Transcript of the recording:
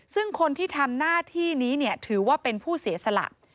ซึ่งคนที่ทำหน้าที่นี้ถือว่าเป็นผู้เสียสละ